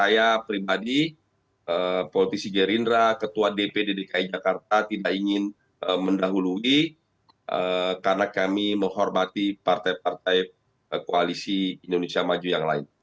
saya pribadi politisi gerindra ketua dpd dki jakarta tidak ingin mendahului karena kami menghormati partai partai koalisi indonesia maju yang lain